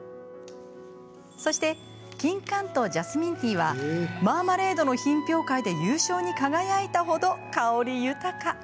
そしてきんかんとジャスミンティーはマーマレードの品評会で優勝に輝いたほど香り豊か。